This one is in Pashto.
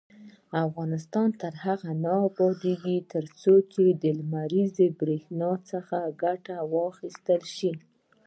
افغانستان تر هغو نه ابادیږي، ترڅو د لمریزې بریښنا څخه ګټه وانخیستل شي.